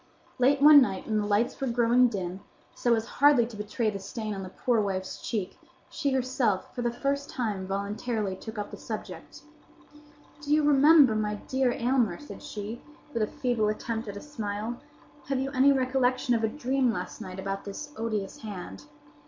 Late one night when the lights were growing dim, so as hardly to betray the stain on the poor wife's cheek, she herself, for the first time, voluntarily took up the subject. "Do you remember, my dear Aylmer," said she, with a feeble attempt at a smile, "have you any recollection of a dream last night about this odious hand?"